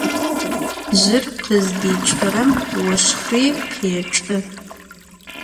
Jır khızdiç'ırem voşxri khêç'ı.